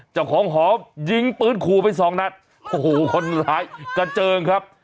เจ้าของหอมยิงปืนขู่ไปสองนัดโอ้โหคนร้ายกระเจิงครับ